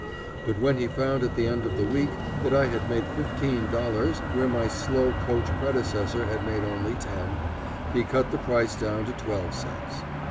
But when he found at the end of the week that I had made $15 where my slow coach predecessor had made only ten, he cut the price down to twelve cents.